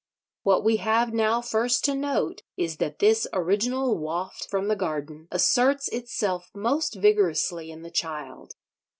What we have now first to note is that this original Waft from the Garden asserts itself most vigorously in the Child.